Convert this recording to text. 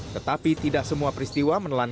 tetapi tidak semua peristiwa menelan